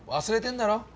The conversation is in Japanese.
忘れてんだろ？